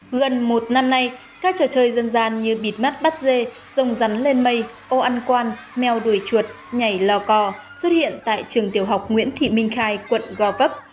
gần một năm nay các trò chơi dân gian như bịt mắt bắt dê rồng rắn lên mây ô ăn quan meo đuổi chuột nhảy lò cò xuất hiện tại trường tiểu học nguyễn thị minh khai quận gò vấp